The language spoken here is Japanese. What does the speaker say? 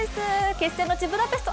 決戦の地、ブダペスト。